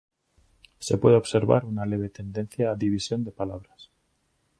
Se puede observar una leve tendencia a división de palabras.